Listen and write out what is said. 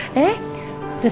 eh udah siap kamu